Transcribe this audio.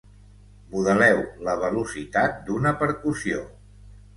Modeleu la velocitat d'una percussió.